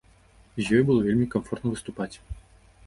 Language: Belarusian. З ёю было вельмі камфортна выступаць.